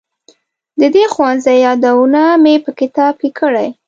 د دې ښوونځي یادونه مې په کتاب کې کړې.